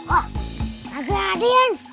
oh kaget ade yan